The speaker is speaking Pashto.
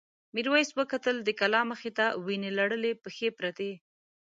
میرويس وکتل د کلا مخې ته وینې لړلې پښې پرتې.